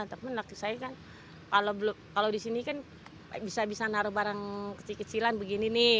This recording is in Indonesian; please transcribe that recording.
tapi saya kan kalau di sini kan bisa bisa naruh barang kecil kecilan begini nih